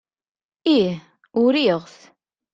Ih, uriɣ-t.